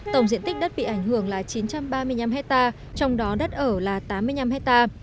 tổng diện tích đất bị ảnh hưởng là chín trăm ba mươi năm hectare trong đó đất ở là tám mươi năm ha